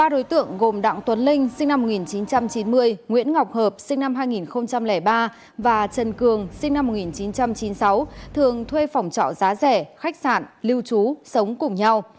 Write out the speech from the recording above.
ba đối tượng gồm đặng tuấn linh sinh năm một nghìn chín trăm chín mươi nguyễn ngọc hợp sinh năm hai nghìn ba và trần cường sinh năm một nghìn chín trăm chín mươi sáu thường thuê phòng trọ giá rẻ khách sạn lưu trú sống cùng nhau